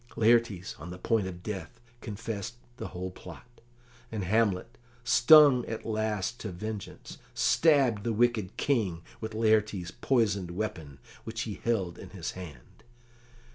Laertes, on the point of death, confessed the whole plot, and Hamlet, stung at last to vengeance, stabbed the wicked King with Laertes's poisoned weapon, which he held in his hand.